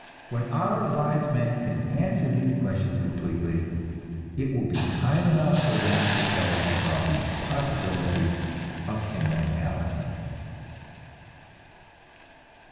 When our wise men can answer these questions completely, it will be time enough for them to tell us about the impossibility of immortality.